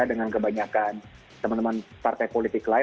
dengan kebanyakan teman teman partai politik lain